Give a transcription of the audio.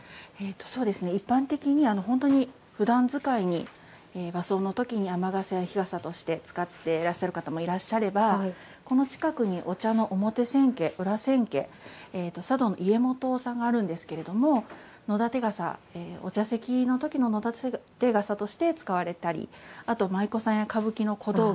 一般的にふだん使いに和装の時に雨傘や日傘として使ってらっしゃる方もいらっしゃればこの近くにお茶の表千家、裏千家茶道の家元さんがあるんですけどお茶の時の野点傘として使われたりあと舞妓さんや歌舞伎の小道具